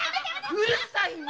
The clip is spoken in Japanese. うるさいね！